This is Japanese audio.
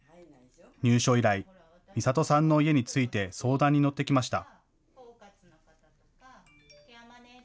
入所以来、みさとさんの家について相談に乗ってきました。